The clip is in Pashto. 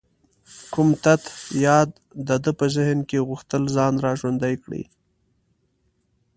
کوم تت یاد د ده په ذهن کې غوښتل ځان را ژوندی کړي.